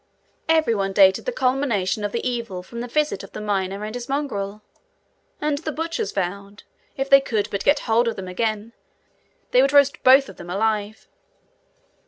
Every one dated the culmination of the evil from the visit of the miner and his mongrel; and the butchers vowed, if they could but get hold of them again, they would roast both of them alive.